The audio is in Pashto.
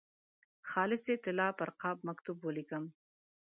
خالصې طلا پر قاب مکتوب ولیکم.